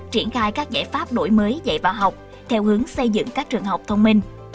triển khai các giải pháp đổi mới dạy vào học theo hướng xây dựng các trường học thông minh